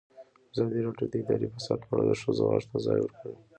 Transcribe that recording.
ازادي راډیو د اداري فساد په اړه د ښځو غږ ته ځای ورکړی.